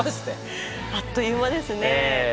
あっという間ですね。